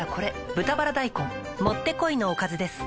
「豚バラ大根」もってこいのおかずです